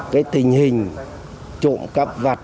cái tình hình trộm cắp vặt